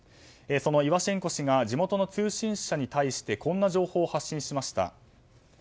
そのイワシェンコ氏が地元の通信社に対してこんな情報を発信しました。